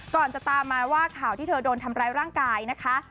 จะตามมาว่าข่าวที่เธอโดนทำร้ายร่างกายนะคะ